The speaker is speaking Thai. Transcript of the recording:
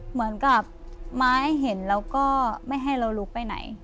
เหมือนกับไม้เห็นแล้วก็ไม่ให้เราลุกไปไหน